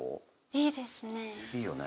いいですね。